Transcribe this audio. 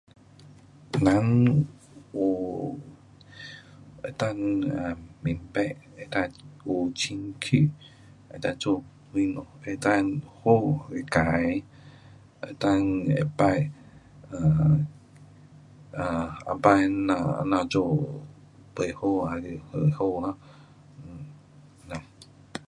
人有能够啊明白，能够有清洁，能够做什么，能够好还是坏，能够会知以前咱这样做不好还是好。